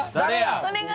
お願い！